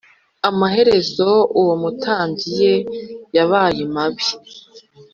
amaherezo uwo mutambyi ye yabaye mabi